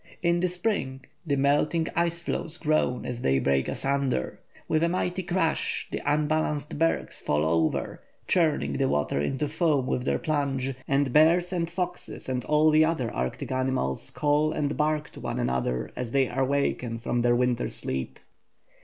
In the spring the melting ice floes groan as they break asunder; with a mighty crash the unbalanced bergs fall over, churning the water into foam with their plunge, and bears and foxes and all the other Arctic animals call and bark to one another as they awaken from their winter sleep.